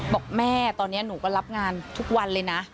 บอกแม่ตอนนี้หนูก็รับงานทุกวันเลยนะ